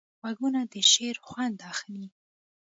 غوږونه د شعر خوند اخلي